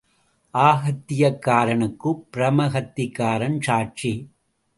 ஆகாத்தியக்காரனுக்குப் பிரம்மகத்திக்காரன் சாட்சி.